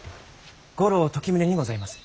五郎時致にございます。